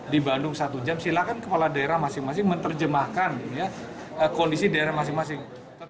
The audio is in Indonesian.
di bandung satu jam silakan kepala daerah masing masing menerjemahkan kondisi daerah masing masing